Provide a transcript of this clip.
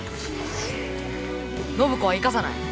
暢子は行かさない。